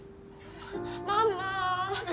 ママ。